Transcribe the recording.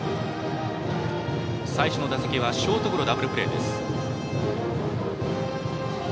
最初の打席はショートゴロダブルプレーです。